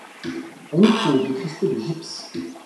On y trouve des cristaux de gypse.